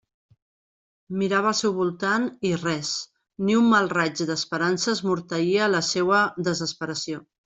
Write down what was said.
Mirava al seu voltant, i res, ni un mal raig d'esperança esmorteïa la seua desesperació.